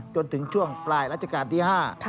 จนถึงช่วงปลายรัชกาลที่๕